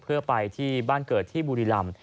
เพื่อไปที่บ้านเกิดที่บุรีรำ